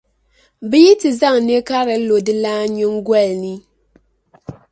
bɛ yi di zaŋ nɛ’ karili lo dilan’ nyiŋgoli ni.